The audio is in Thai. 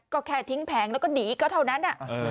ก็แค่ทิ้งแผงแล้วก็หนีก็เท่านั้น